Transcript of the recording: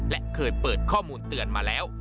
และเคยเปิดข้อมูลเตือนมาแล้ว